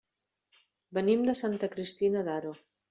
Venim de Santa Cristina d'Aro.